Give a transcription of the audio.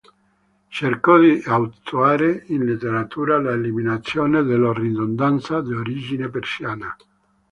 Cercò di attuare in letteratura l'eliminazione della ridondanza d'origine persiana.